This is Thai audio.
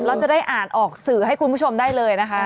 เราจะได้อ่านออกสื่อให้คุณผู้ชมได้เลยนะคะ